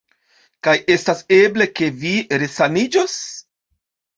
Kaj estas eble, ke vi resaniĝos?